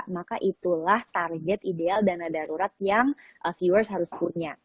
maka itulah target ideal dana darurat yang viewers harus punya